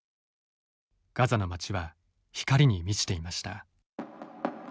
ガザの町は光に満ちていました。